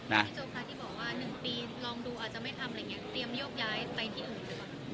นะที่บอกว่าหนึ่งปีลองดูอาจจะไม่ทำอะไรเงี้ยเตรียมยกย้ายไปที่อื่นหรือเปล่า